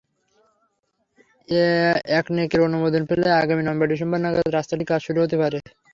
একনেকের অনুমোদন পেলে আগামী নভেম্বর-ডিসেম্বর নাগাদ রাস্তাটির কাজ শুরু হতে পারে।